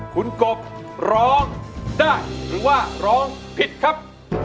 คุณกบร้องได้หรือว่าร้องผิดครับ